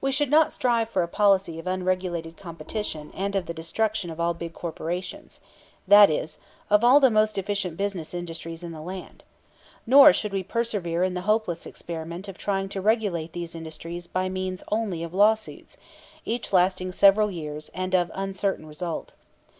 We should not strive for a policy of unregulated competition and of the destruction of all big corporations, that is, of all the most efficient business industries in the land. Nor should we persevere in the hopeless experiment of trying to regulate these industries by means only of lawsuits, each lasting several years, and of uncertain result.